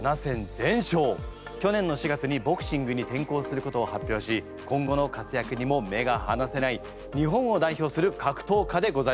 去年の４月にボクシングに転向することを発表し今後の活躍にも目がはなせない日本を代表する格闘家でございます。